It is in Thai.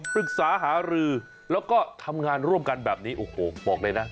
ปรึกษาหารือแล้วก็ทำงานร่วมกันแบบนี้โอ้โหบอกเลยนะ